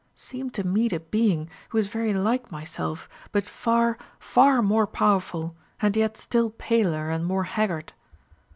seemed to meet a being who was very like myself, but far, far more powerful, and yet still paler and more haggard."